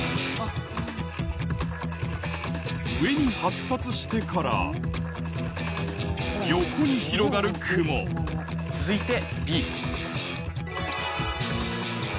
上に発達してから横に広がる雲続いてＢ。